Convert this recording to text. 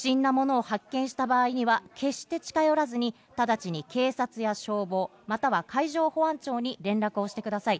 ただ不審なものを発見した場合には決して近寄らずに、直ちに警察や消防、または海上保安庁に連絡をしてください。